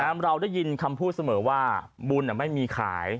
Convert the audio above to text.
เราได้ยินคำพูดเสมอว่าบุญไม่มีขาย